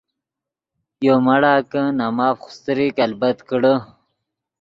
یو مڑا کہ نے ماف خوستریک البت کڑے۔